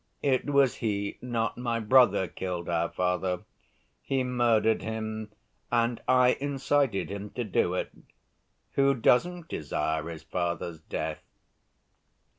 It was he, not my brother, killed our father. He murdered him and I incited him to do it ... Who doesn't desire his father's death?"